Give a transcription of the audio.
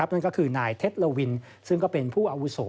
นั่นก็คือนายเท็จโลวินซึ่งก็เป็นผู้อาวุโส